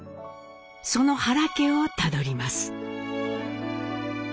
その原家をたどります。